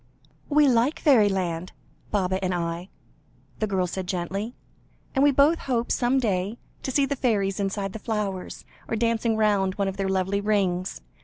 "We like fairyland Baba and I," the girl said gently, "and we both hope, some day, to see the fairies inside the flowers, or dancing round one of their lovely rings.